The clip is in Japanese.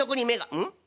うん？